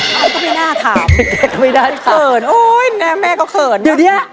แม่ก็ไม่น่าถามแม่ก็ไม่น่าถามเขินโอ้ยแม่แม่ก็เขินเดี๋ยวเดี๋ยว